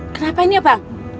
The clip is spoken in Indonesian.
kenapa ini ya bang